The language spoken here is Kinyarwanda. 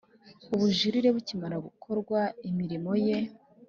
Ubujurire bukimara gukorwa imirimo ye